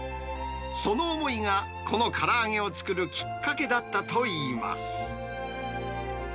その思いがこのから揚げを作るきっかけだったといいます。